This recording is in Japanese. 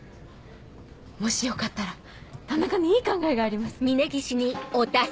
もしよかったら田中にいい考えがあります。